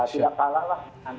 tidak kalah lah